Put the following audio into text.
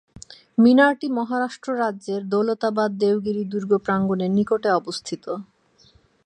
মিনারটি মহারাষ্ট্র রাজ্যের দৌলতাবাদ-দেওগিরি দুর্গ প্রাঙ্গণের নিকটে অবস্থিত।